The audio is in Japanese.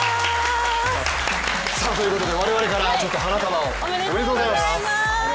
我々から花束を、おめでとうございます！